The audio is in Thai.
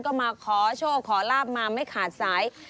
ก็มาขอโชคขอลาบมาไม่ขาดสาย